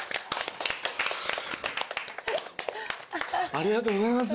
ありがとうございます。